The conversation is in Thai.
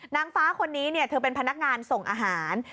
นางฟ้าคนนี้เธอเป็นพนักงานส่งอาหาร